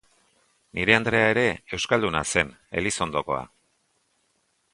Nire andrea ere euskalduna zen, Elizondokoa.